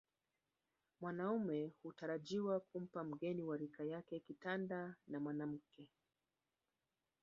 Wanaume hutarajiwa kumpa mgeni wa rika yake kitanda na mwanamke